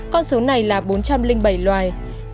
con số này là bốn trăm linh bảy loài